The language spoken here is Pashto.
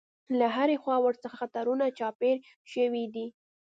له هرې خوا ورڅخه خطرونه چاپېر شوي دي.